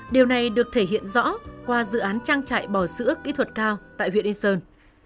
điều này được thể hiện rõ qua dự án trang trại bò sữa kỹ thuật cao tại huyện yên sơn